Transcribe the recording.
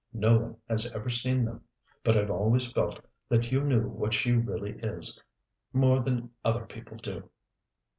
No one has ever seen them. But I've always felt that you knew what she really is more than other people do."